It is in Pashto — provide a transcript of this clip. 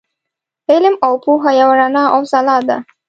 علم او پوهه یوه رڼا او ځلا ده.